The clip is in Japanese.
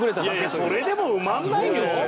いやそれでも埋まらないよ。